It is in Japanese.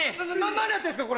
何やってるんですか？